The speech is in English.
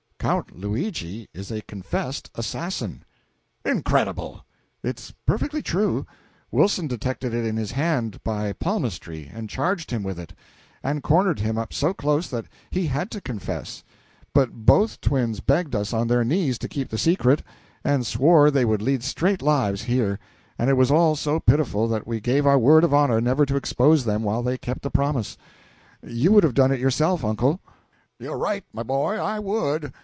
"Count Luigi is a confessed assassin." "Incredible!" "It's perfectly true. Wilson detected it in his hand, by palmistry, and charged him with it, and cornered him up so close that he had to confess; but both twins begged us on their knees to keep the secret, and swore they would lead straight lives here; and it was all so pitiful that we gave our word of honor never to expose them while they kept that promise. You would have done it yourself, uncle." "You are right, my boy; I would.